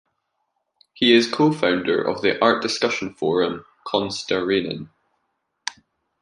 He is co-founder of the art discussion forum "Konstarenan".